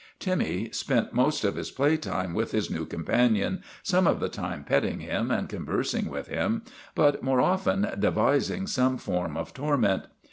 Timmy spent most of his play time with his new companion, some of the time petting him and conversing with him, but more often devising some form of torment.